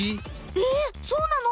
えそうなの？